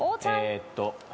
えっと。